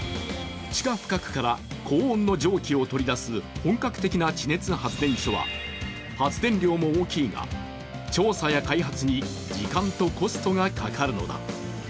地下深くから高温の蒸気を取り出す本格的な地熱発電所は発電量も大きいが、調査や開発に時間とコストがかかるのだ。